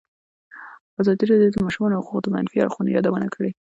ازادي راډیو د د ماشومانو حقونه د منفي اړخونو یادونه کړې.